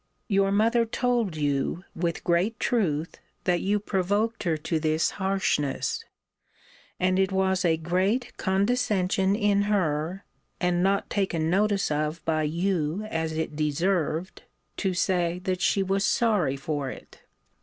Your mother told you, with great truth, that you provoked her to this harshness; and it was a great condescension in her (and not taken notice of by you as it deserved) to say that she was sorry for it.